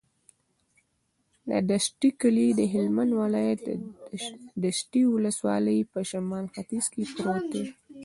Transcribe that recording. د دشټي کلی د هلمند ولایت، دشټي ولسوالي په شمال ختیځ کې پروت دی.